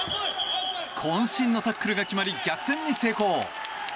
渾身のタックルが決まり逆転に成功！